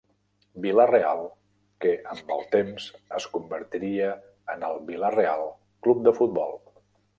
Vila-real que amb el temps, es convertiria en el Vila-real Club de Futbol.